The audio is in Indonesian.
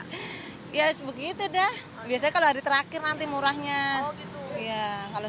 lihat aja gitu ikut ikutan aja ya begitu dah biasa kalau hari terakhir nanti murahnya kalau